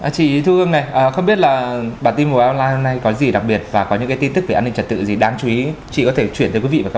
chị thưa ông này không biết là bản tin mùa online hôm nay có gì đặc biệt và có những tin tức về an ninh trật tự gì đáng chú ý chị có thể chuyển tới quý vị và các bạn